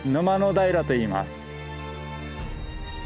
平といいます。